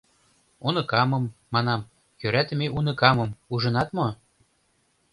— Уныкамым, манам, йӧратыме уныкамым ужынат мо?